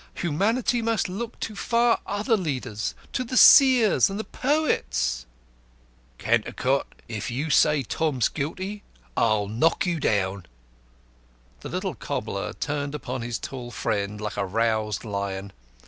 Humanity must look to far other leaders to the seers and the poets!" "Cantercot, if you say Tom's guilty I'll knock you down." The little cobbler turned upon his tall friend like a roused lion.